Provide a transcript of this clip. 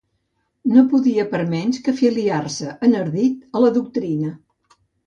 No podia per menys que afiliar-se, enardit, a la doctrina.